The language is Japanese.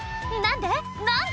何で？